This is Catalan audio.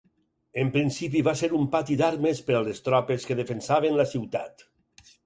En principi va ser un pati d'armes per a les tropes que defensaven la ciutat.